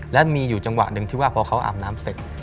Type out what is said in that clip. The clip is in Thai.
และมีอยู่จังหวะหนึ่งที่ว่าพอเขาอาบน้ำเสร็จ